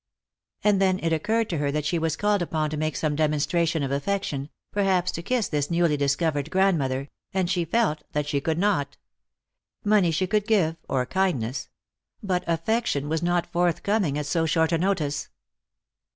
And then it occurred to her that she was called upon to make some demonstration of affection — perhaps to kiss this newly discovered grandmother — and she felt that she could not. Money she could give, or kindness ; but affection was not forth coming at so short a notice.